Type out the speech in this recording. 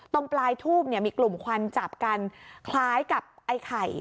ตรงปลายทูบมีกลุ่มควันจับกันคล้ายกับไอ้ไข่